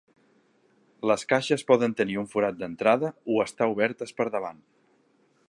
Les caixes poden tenir un forat d'entrada o estar obertes per davant.